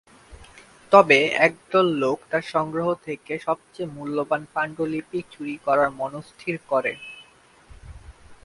তবে, একদল লোক তার সংগ্রহ থেকে সবচেয়ে মূল্যবান পাণ্ডুলিপি চুরি করার মনস্থির করে।